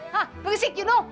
hah berisik you know